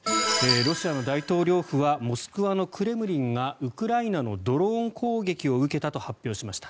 ロシアの大統領府はモスクワのクレムリンがウクライナのドローン攻撃を受けたと発表しました。